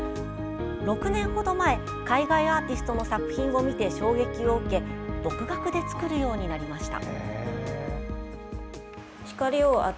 ６年ほど前、海外アーティストの作品を見て衝撃を受け独学で作るようになりました。